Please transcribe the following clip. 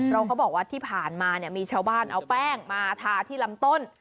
เขาบอกว่าที่ผ่านมาเนี่ยมีชาวบ้านเอาแป้งมาทาที่ลำต้น